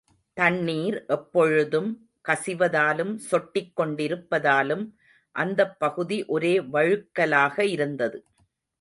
தண்ணீர் எப்பொழுதும் கசிவதாலும் சொட்டிக் கொண்டிருப்பதாலும் அந்தப் பகுதி ஒரே வழுக்கலாக இருந்தது.